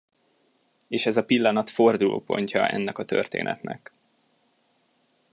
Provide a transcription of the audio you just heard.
És ez a pillanat fordulópontja ennek a történetnek.